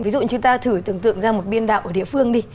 ví dụ chúng ta thử tưởng tượng ra một biên đạo ở địa phương đi